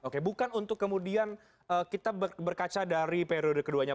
oke bukan untuk kemudian kita berkaca dari periode keduanya